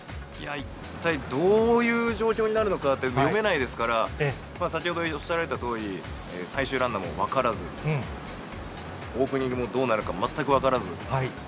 一体どういう状況になるのかって読めないですから、先ほどおっしゃられたとおり、最終ランナーも分からず、オープニングもどうなるか全く分からず。